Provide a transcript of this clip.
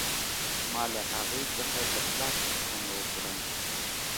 ما له هغې څخه د پلار پوښتنه وکړه